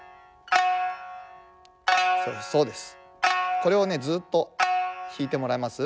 そうですそうです。